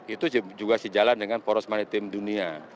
itu juga sejalan dengan poros maritim dunia